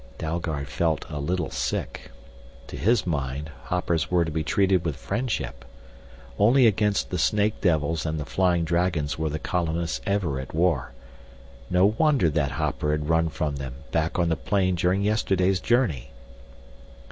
Dalgard felt a little sick. To his mind, hoppers were to be treated with friendship. Only against the snake devils and the flying dragons were the colonists ever at war. No wonder that hopper had run from them back on the plain during yesterday's journey!